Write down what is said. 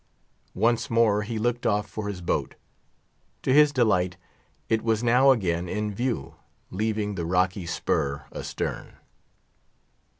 Once more he looked off for his boat. To his delight, it was now again in view, leaving the rocky spur astern.